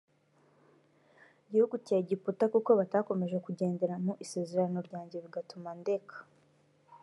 gihugu cya egiputa kuko batakomeje kugendera mu isezerano ryanjye bigatuma ndeka